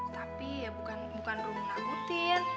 tapi ya bukan bukan rumit nakutin